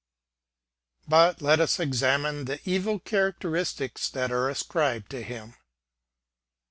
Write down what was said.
But let us examine the evil characteristics that are ascribed to him.